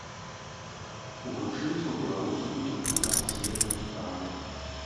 Уключыўся ў беларускую культурна-асветную справу.